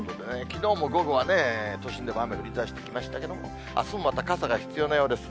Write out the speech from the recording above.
きのうも午後はね、都心でも雨降りだしましたけれども、あすもまた傘が必要なようです。